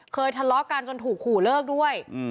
ทะเลาะกันจนถูกขู่เลิกด้วย